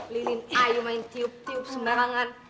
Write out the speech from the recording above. lilin ayo main tiup tiup sembarangan